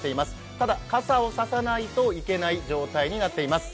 ただ、傘を差さないといけない状態になっています。